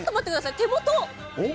手元。